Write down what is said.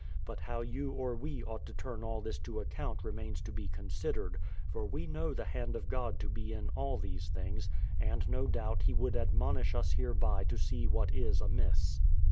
But how you or we ought to turn all this to account remains to be considered ; for we know the hand of God to be in all these things, and no doubt He would admonish us hereby to see what is amiss.